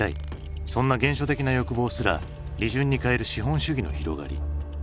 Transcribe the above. そんな原初的な欲望すら利潤に変える資本主義の広がり。